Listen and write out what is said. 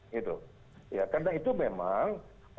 karena itu memang